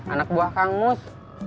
anak buah kangus